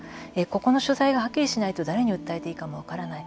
ここの所在がはっきりしないと誰に訴えていいかも分からない。